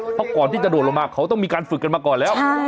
เพราะก่อนที่จะโดดลงมาเขาต้องมีการฝึกกันมาก่อนแล้ว